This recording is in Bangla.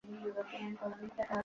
না, না ভাই।